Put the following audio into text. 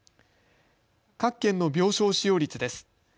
各県の病床使用率です。